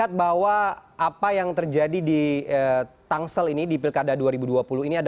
apa yang bisa dijelaskan soal ini bang